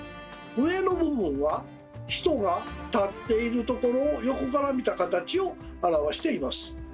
上の部分は人が立っているところを横から見た形を表しています。